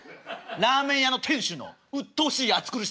ラーメン屋の店主のうっとうしい暑苦しさ。